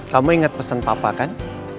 kamu ingat pesan papa kan